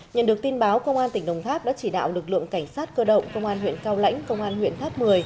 nhận được tin báo công an tỉnh đồng tháp đã chỉ đạo lực lượng cảnh sát cơ động công an huyện cao lãnh công an huyện tháp một mươi